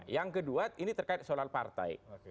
yang kedua ini terkait soal partai